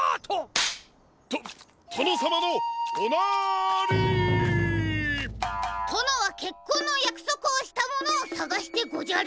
カチン！ととのさまのおなり！とのはけっこんのやくそくをしたものをさがしてごじゃる！